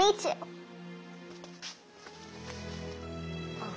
ああ。